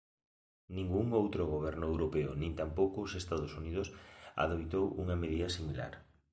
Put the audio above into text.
Ningún outro goberno europeo nin tampouco os Estados Unidos adoptou unha medida similar.